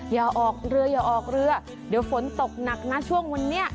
อย่าออกเรืออย่าออกเรือเดี๋ยวฝนตกหนักนะช่วงวันนี้